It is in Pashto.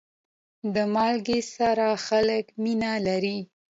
د مالګې سره خلک مینه لري.